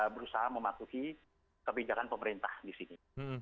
berusaha mematuhi kebijakan pemerintah di sini